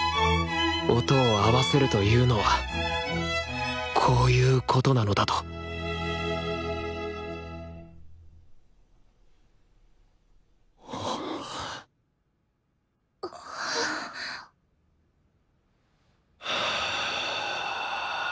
音を合わせるというのはこういうことなのだとは。